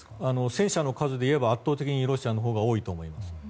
戦車の数でいえば圧倒的にロシアのほうが多いと思います。